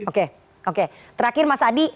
oke oke terakhir mas adi